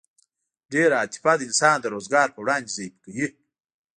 ډېره عاطفه انسان د روزګار په وړاندې ضعیف کوي